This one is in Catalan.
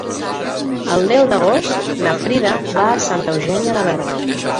El deu d'agost na Frida va a Santa Eugènia de Berga.